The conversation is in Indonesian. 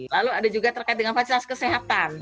lalu ada juga terkait dengan fasilitas kesehatan